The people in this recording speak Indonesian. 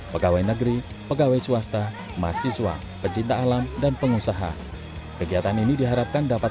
pegawai negeri pegawai swasta mahasiswa pecinta alam dan pengusaha kegiatan ini diharapkan dapat